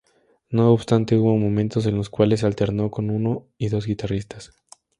No obstante, hubo momentos en los cuales se alternó con uno y dos guitarristas.